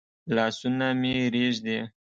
لاسونه مي رېږدي ؟